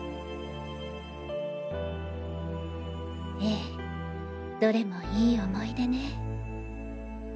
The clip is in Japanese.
ええどれもいい思い出ね。